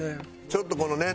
ちょっとこのね